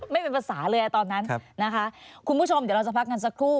ไม่เป็นภาษาเลยตอนนั้นนะคะคุณผู้ชมเดี๋ยวเราจะพักกันสักครู่